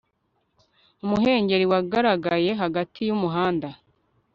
umuhengeri wagaragaye hagati yumuhanda